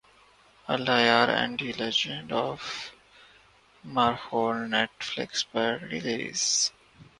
Allah Yar and the legend of Markhor Netflix پر release